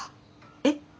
えっ？